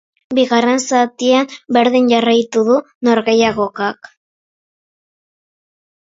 Bigarren zatian berdin jarraitu du norgehiagokak.